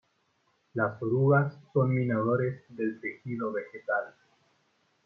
Las orugas son minadores del tejido vegetal.